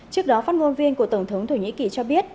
trước đó phát ngôn viên của tổng thống thổ nhĩ kỳ cho biết